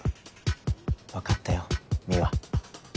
分かったよ美和。